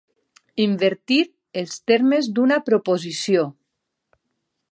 Invertir els termes d'una proposició.